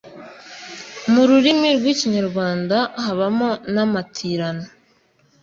mu rurimi rw’Ikinyarwanda habamo namatirano